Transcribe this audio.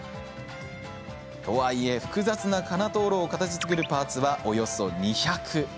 とはいえ、複雑な金灯籠を形づくるパーツは、およそ２００。